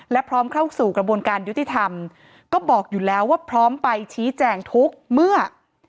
และพร้อมเข้าสู่กระบวนการยุติธรรมก็บอกอยู่แล้วว่าพร้อมไปชี้แจงทุกเมื่อ